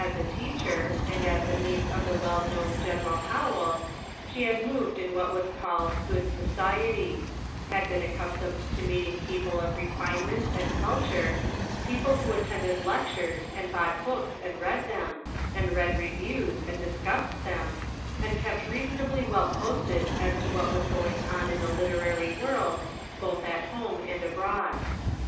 a teacher, and as a niece of the well known Gen. Howell, she had moved in what was called good society ; had been accustomed to meeting people of refinement and culture ; people who attended lectures and bought books and read them, and read reviews and discussed them, and kept reasonably well posted as to what was going on in the literary world, both at home and abroad.